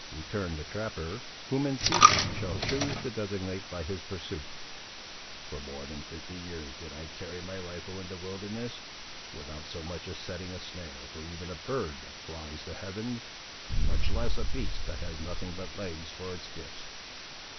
returned the trapper, whom in future we shall choose to designate by his pursuit; "for more than fifty years did I carry my rifle in the wilderness, without so much as setting a snare for even a bird that flies the heavens;—much less, a beast that has nothing but legs, for its gifts."